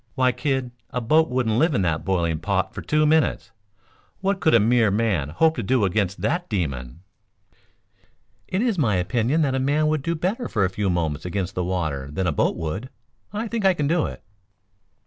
Why, kid a boat wouldn't live in that boiling pot for two minutes. What could a mere man hope to do against that demon?" "It is my opinion that a man would do better for a few moments against the water than a boat would. I think I can do it."